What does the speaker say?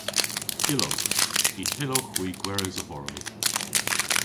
Gyllowgh. Y hyllowgh hwi gweres a-vorow.